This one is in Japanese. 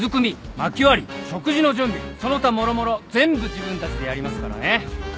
まき割り食事の準備その他もろもろ全部自分たちでやりますからね！